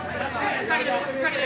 しっかりね。